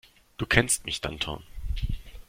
Du kennst mich, Danton.